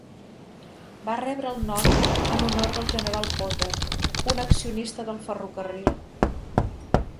Va rebre el nom en honor del General Potter, un accionista del ferrocarril.